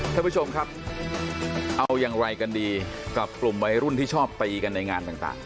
ท่านผู้ชมครับเอาอย่างไรกันดีกับกลุ่มวัยรุ่นที่ชอบตีกันในงานต่าง